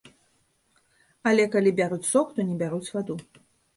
Але калі бяруць сок, то не бяруць ваду.